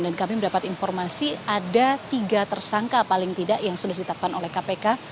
dan kami mendapat informasi ada tiga tersangka paling tidak yang sudah ditetapkan oleh kpk